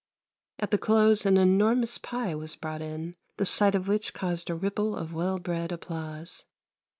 At the close an enormous pie was brought in, the sight of which caused a ripple of well bred applause.